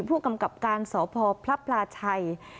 ผู้กำกับการสพพระพลาชัย